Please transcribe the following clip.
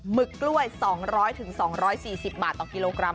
ึกกล้วย๒๐๐๒๔๐บาทต่อกิโลกรัม